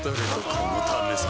このためさ